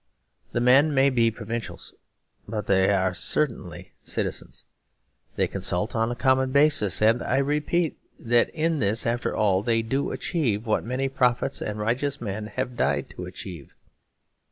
The men may be provincials, but they are certainly citizens; they consult on a common basis. And I repeat that in this, after all, they do achieve what many prophets and righteous men have died to achieve.